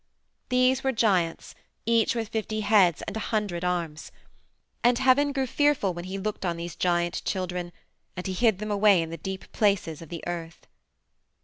These were giants, each with fifty heads and a hundred arms. And Heaven grew fearful when he looked on these giant children, and he hid them away in the deep places of the Earth.